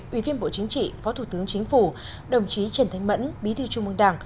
ủy viên bộ chính trị phó thủ tướng chính phủ đồng chí trần thanh mẫn bí thư trung mương đảng